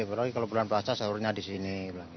apalagi kalau bulan puasa sahurnya di sini